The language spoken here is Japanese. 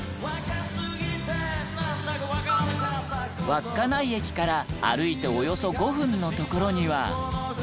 稚内駅から歩いておよそ５分の所には。